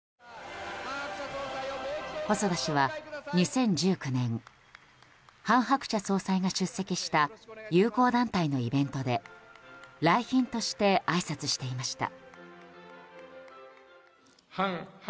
細田氏は２０１９年韓鶴子総裁が出席した友好団体のイベントで来賓としてあいさつしていました。